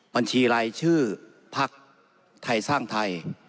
บัญชีรายชื่อพักไทยสร้างไทย